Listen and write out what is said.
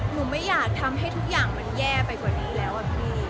หนูไม่อยากทำให้ทุกอย่างมันแย่ไปกว่านี้แล้วอะพี่